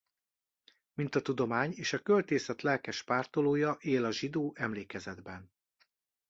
Mint a tudomány és a költészet lelkes pártolója él a zsidó emlékezetben.